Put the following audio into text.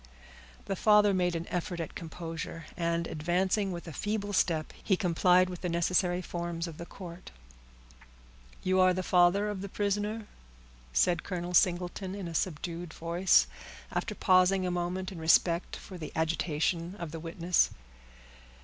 The father made an effort at composure, and, advancing with a feeble step, he complied with the necessary forms of the court. "You are the father of the prisoner?" said Colonel Singleton, in a subdued voice, after pausing a moment in respect for the agitation of the witness.